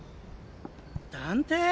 探偵？